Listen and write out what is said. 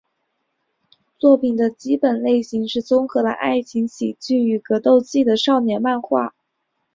作品的基本类型是综合了爱情喜剧与格斗技的少年漫画。